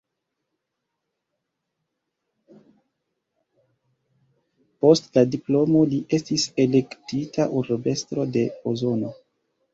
Post la diplomo li estis elektita urbestro de Pozono.